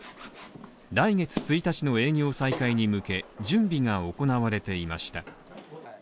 来月１日の営業再開に向け準備が行われていました。